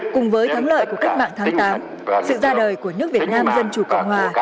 cùng với thắng lợi của cách mạng tháng tám sự ra đời của nước việt nam dân chủ cộng hòa